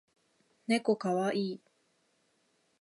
ねこかわいい